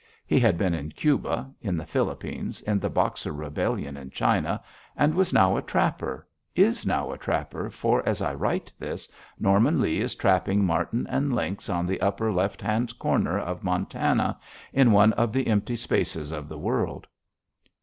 He had been in Cuba, in the Philippines, in the Boxer Rebellion in China, and was now a trapper; is now a trapper, for, as I write this, Norman Lee is trapping marten and lynx on the upper left hand corner of Montana, in one of the empty spaces of the world.